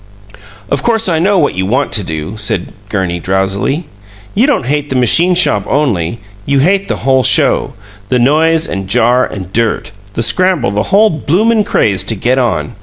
"Of course I know what you want to do," said Gurney, drowsily. "You don't hate the machine shop only; you hate the whole show the noise and jar and dirt, the scramble the whole bloomin' craze to 'get on.'